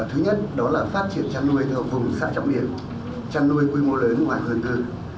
thứ nhất đó là phát triển chăn nuôi theo vùng sát trọng điểm chăn nuôi quy mô lớn ngoài hướng từ